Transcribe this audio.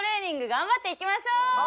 頑張っていきましょう。